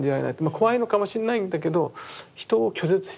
怖いのかもしれないんだけど人を拒絶してないっていうか。